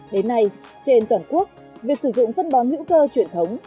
đến nay trên toàn quốc việc sử dụng phân bón hữu cơ truyền thống